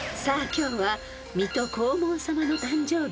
今日は水戸黄門さまの誕生日］